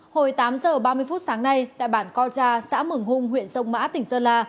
hồi tám giờ ba mươi phút sáng nay tại bản cocha xã mừng hung huyện sông mã tỉnh sơn la